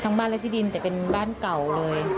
บ้านและที่ดินแต่เป็นบ้านเก่าเลย